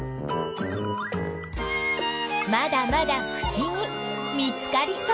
まだまだふしぎ見つかりそう。